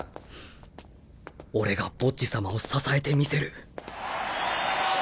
俺がボッジ様を支えてみせる